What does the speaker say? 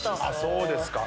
そうですか。